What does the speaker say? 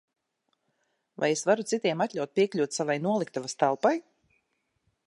Vai es varu citiem atļaut piekļūt savai noliktavas telpai?